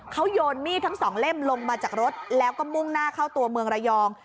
เขาโยนมีดทั้งสองเล่มลงมาจากรถแล้วก็มุ่งหน้าเข้าตัวเมืองระยอง